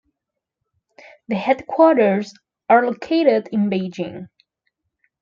The headquarters are located in Beijing.